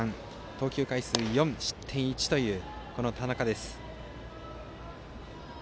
投球回数４、失点１の田中です。